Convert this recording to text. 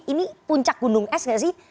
ini puncak gunung es nggak sih